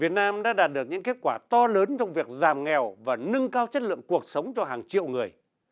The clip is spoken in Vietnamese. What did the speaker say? việt nam đã đạt được những kết quả to lớn trong việc giảm nghèo và nâng cao chất lượng cuộc sống cho hàng triệu người